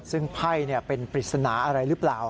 ซึ่งไพ่เนี่ยเป็นปริศนาอะไรรึเปล่า